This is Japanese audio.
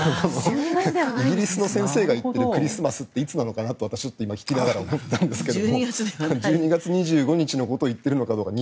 イギリスの先生が言っているクリスマスっていつなのかなって私、聞きながら思ったんですが１２月２５日のことを言っているのかどうか。